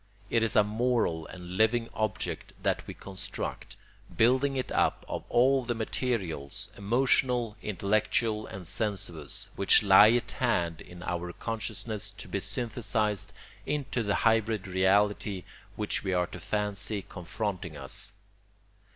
It is a moral and living object that we construct, building it up out of all the materials, emotional, intellectual, and sensuous, which lie at hand in our consciousness to be synthesised into the hybrid reality which we are to fancy confronting us.